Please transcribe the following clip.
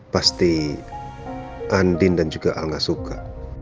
pasti andin dan juga alga suka